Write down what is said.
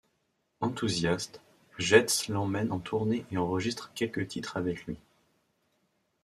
Enthousiaste, Getz l'emmène en tournée et enregistre quelques titres avec lui.